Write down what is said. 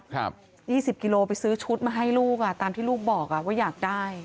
๒๐กิโลไปซื้อชุดมาให้ลูกอ่ะตามที่ลูกบอกว่าอยากได้